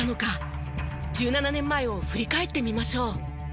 １７年前を振り返ってみましょう。